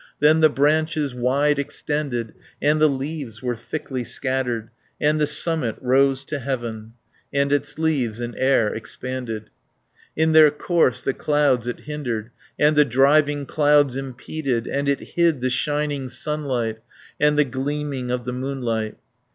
80 Then the branches wide extended, And the leaves were thickly scattered, And the summit rose to heaven, And its leaves in air expanded. In their course the clouds it hindered, And the driving clouds impeded, And it hid the shining sunlight, And the gleaming of the moonlight.